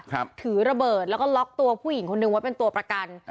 ถือระเบิดแล้วก็ล็อกตัวผู้หญิงคนนึงไว้เป็นตัวประกัน